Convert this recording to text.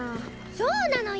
そうなのよ